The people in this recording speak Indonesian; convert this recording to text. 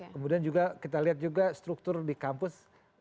kemudian juga kita lihat juga struktur di kampus